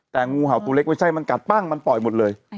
แต่งูเห่าตัวเล็กไม่ใช่มันกัดปั้งมันปล่อยหมดเลย